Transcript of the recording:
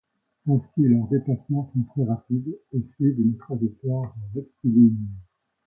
Ainsi leurs déplacements sont très rapides, et suivent une trajectoire rectiligne.